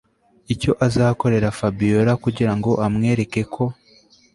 icyo azakorera fabiora kugira ngo amwereke ko